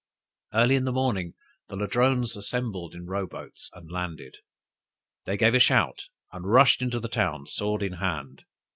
Early in the morning the Ladrones assembled in row boats, and landed; then gave a shout, and rushed into the town, sword in hand.